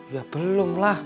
ya belum lah